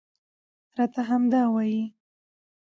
راته همدا وايي